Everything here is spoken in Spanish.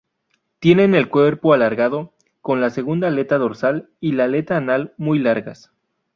Tienen el cuerpo alargado, con la segunda aleta dorsal y aleta anal muy largas.